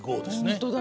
本当だ。